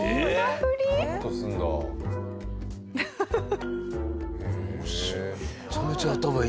フフフ。